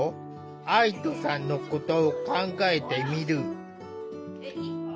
愛土さんのことを考えてみる。